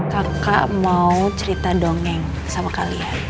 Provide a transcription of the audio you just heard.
kakak mau cerita dongeng sama kalian